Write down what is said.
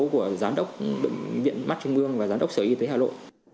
của giám đốc viện mắt trung ương và giám đốc sở y tế hà lộ